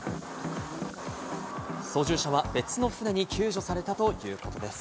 操縦者は別の船に救助されたということです。